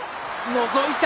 のぞいた。